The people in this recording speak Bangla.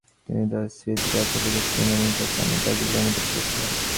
তিনি তার স্মৃতিকথা লিখেছিলেন এবং তার স্বামীর কাজগুলি অনুবাদ করেছিলেন।